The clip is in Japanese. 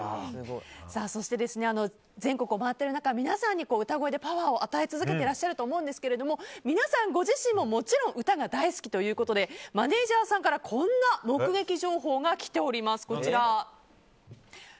そして、全国を回っている中皆さんに歌声でパワーを与え続けていらっしゃると思うんですが皆さんご自身ももちろん歌が大好きということでマネジャーさんからこんな目撃情報がきています。